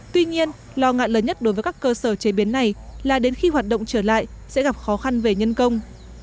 tuy nhiên lo ngại lớn nhất đối với các cơ sở chế biến này là đến khi hoạt động trở lại sẽ gặp khó khăn về nhân công